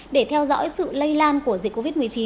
để theo dõi sự lây lan của dịch covid một mươi chín